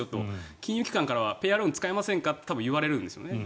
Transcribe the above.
金融機関からはペアローン使いませんかと多分言われるんですよね。